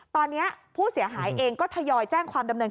ตอนนี้ผู้เสียหายเองก็ทยอยแจ้งความดำเนิน